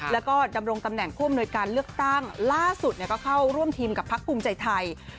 แล้วก็ดำรงตำแหน่งผู้อำนวยการเลือกตั้งล่าสุดก็เข้าร่วมทีมกับพักภูมิใจไทย